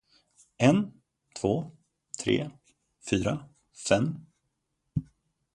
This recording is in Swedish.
En, två, tre, fyra, fem.